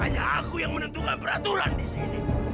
hanya aku yang menentukan peraturan di sini